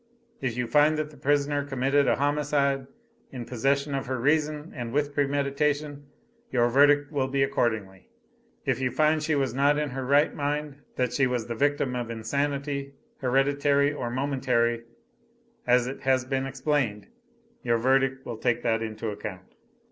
If you find that the prisoner committed a homicide, in possession of her reason and with premeditation, your verdict will be accordingly. If you find she was not in her right mind, that she was the victim of insanity, hereditary or momentary, as it has been explained, your verdict will take that into account.